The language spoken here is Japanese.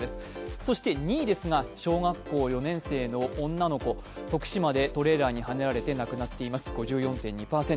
そして２位は小学校４年生の女の子、徳島でトレーラーにはねられ亡くなっています、５４．２％。